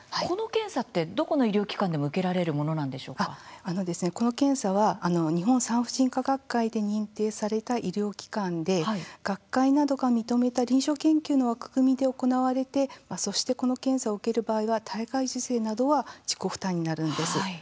この検査ってどこの医療機関でもこの検査は日本産婦人科学会で認定された医療機関で学会などが認めた、臨床研究の枠組みで行われて、そしてこの検査を受ける場合は体外受精などは自己負担になるんです。